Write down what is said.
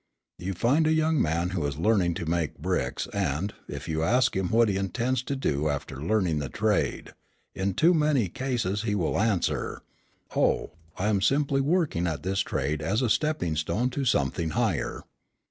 You find a young man who is learning to make bricks; and, if you ask him what he intends to do after learning the trade, in too many cases he will answer, 'Oh, I am simply working at this trade as a stepping stone to something higher.'